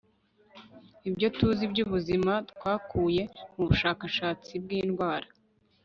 ibyo tuzi byubuzima twakuye mubushakashatsi bwindwara